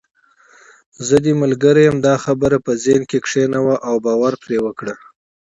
زه دې ملګرې یم، دا خبره په ذهن کې کښېنوه او باور پرې وکړه.